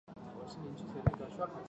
州或地区重新划分为州。